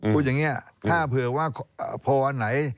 พูดอย่างนี้ถ้าเผื่อว่าพอวันไหน